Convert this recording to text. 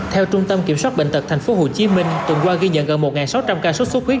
theo trung tâm kiểm soát bệnh tật tp hcm tuần qua ghi nhận gần một sáu trăm linh ca sốt xuất huyết